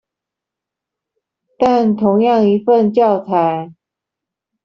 但同樣一份教材